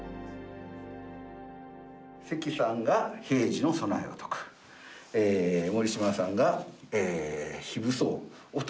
関さんが平時の備えを説く森嶋さんが非武装を説く。